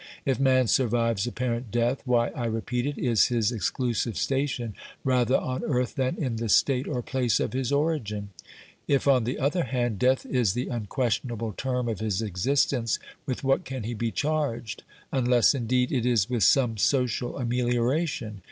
If man survives apparent death, why, I repeat it, is his exclusive station rather on earth than in the state or place of his origin ? If, on the other hand, death is the unquestionable term of his existence, with what can he be charged, unless indeed it is with some social amelioration?